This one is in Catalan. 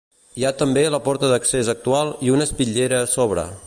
Hi ha també la porta d'accés actual i una espitllera a sobre.